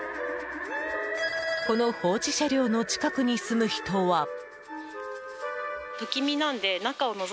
この放置車両の近くに住む人は。